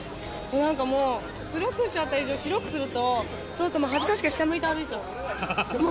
なんかもう、黒くしちゃった以上、白くすると、そうするともう、恥ずかしくて、下向いて歩いちゃう。